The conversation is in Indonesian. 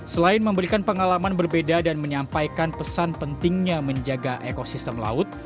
selain memberikan pengalaman berbeda dan menyampaikan pesan pentingnya menjaga ekosistem laut